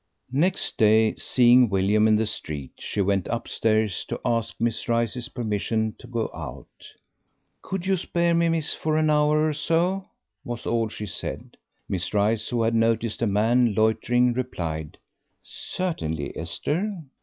Next day, seeing William in the street, she went upstairs to ask Miss Rice's permission to go out. "Could you spare me, miss, for an hour or so?" was all she said. Miss Rice, who had noticed a man loitering, replied, "Certainly, Esther."